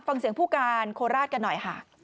ฟังเสียงผู้การโคราชกันหน่อยค่ะ